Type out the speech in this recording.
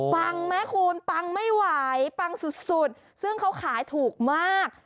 ฟังไหมคุณปังไม่ไหวปังสุดซึ่งเขาขายถูกมาก